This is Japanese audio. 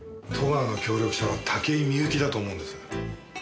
戸川の協力者は武井美由紀だと思うんです。